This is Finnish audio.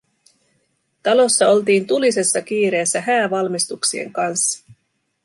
Talossa oltiin tulisessa kiireessä häävalmistuksien kanssa.